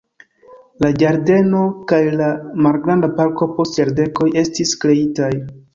La ĝardeno kaj la malgranda parko post jardekoj estis kreitaj.